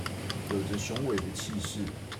有著雄偉的氣勢